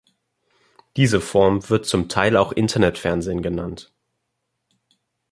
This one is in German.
Diese Form wird zum Teil auch Internetfernsehen genannt.